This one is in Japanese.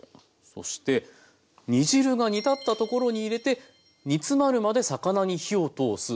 そして「煮汁が煮立ったところに入れて煮詰まるまで魚に火を通す」。